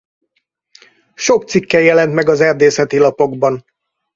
Sok cikke jelent meg az Erdészeti Lapokban.